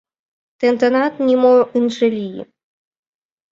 Тенданат нимо ынже лий...